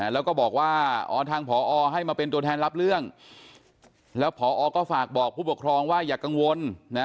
แล้วก็บอกว่าทางผอให้มาเป็นตัวแทนรับเรื่องแล้วพอก็ฝากบอกผู้ปกครองว่าอย่ากังวลนะ